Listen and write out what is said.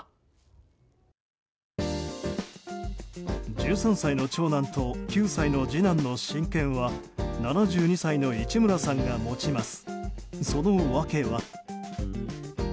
１３歳の長男と９歳の次男の親権は７２歳の市村さんが持ちます。